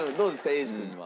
英二君は。